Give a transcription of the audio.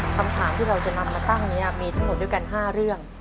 คำถามที่เราจะนำมาตั้งนี้มีทั้งหมดด้วยกัน๕เรื่อง